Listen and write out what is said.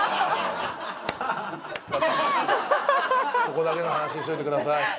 ここだけの話にしといてください。